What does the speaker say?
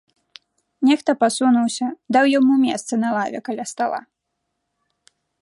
Нехта пасунуўся, даў яму месца на лаве, каля стала.